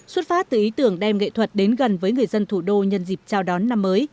xuất phát từ ý tưởng đem nghệ thuật đến gần với người dân thủ đô nhân dịp chào đón năm mới